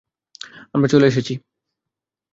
আমরা চলে এসেছি!